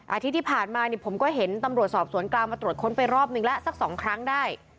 อาทิตย์ที่ผ่านมาผมก็เห็นตำรวจสอบสวนกลางมาตรวจค้นไปรอบนึงแล้วสักสองครั้งได้